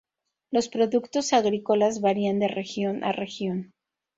Los productos agrícolas varían de región a región.